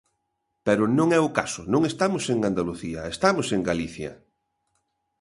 Pero non é o caso, non estamos en Andalucía, estamos en Galicia.